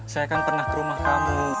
saya kan pernah ke rumah kamu